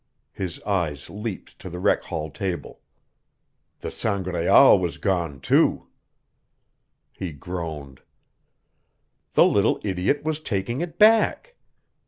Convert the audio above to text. His eyes leaped to the rec hall table. The Sangraal was gone, too. He groaned. The little idiot was taking it back!